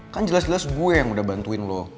kan jelas jelas gue yang udah bantuin loh